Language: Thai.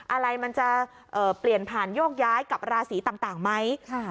อะไรมันจะเปลี่ยนผ่านโยกย้ายกับราศีต่างไหม